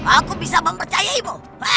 aku bisa mempercayaimu